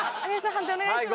判定お願いします。